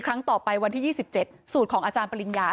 คุณผู้ชมงง